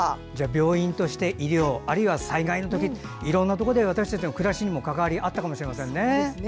病院として医療あるいは災害の時いろんなところで私たちの暮らしにも関わりがあったかもしれませんね。